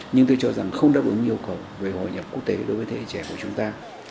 nhưng tôi cho rằng không đáp ứng yêu cầu về hội nhập quốc tế đối với thế hệ trẻ của chúng ta